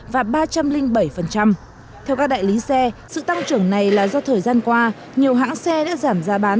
một trăm ba mươi một và ba trăm linh bảy theo các đại lý xe sự tăng trưởng này là do thời gian qua nhiều hãng xe đã giảm giá bán